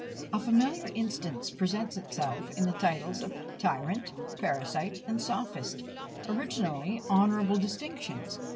A familiar instance presents itself in the titles of tyrant, parasite, and sophist, originally honourable distinctions.